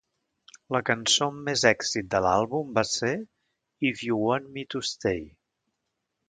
La cançó amb més èxit de l'àlbum va ser "If you want me to stay".